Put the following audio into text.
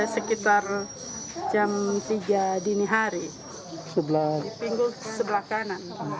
sekitar jam tiga dini hari di pinggul sebelah kanan